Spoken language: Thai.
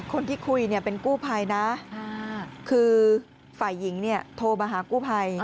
คนที่คุยเป็นกู้ภัยนะคือฝ่ายหญิงเนี่ยโทรมาหากู้ภัย